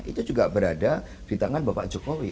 itu juga berada di tangan bapak jokowi